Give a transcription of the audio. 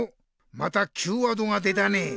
またＱワードが出たね。